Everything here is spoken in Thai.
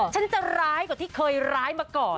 ฉันจะร้ายกว่าที่เคยร้ายมาก่อน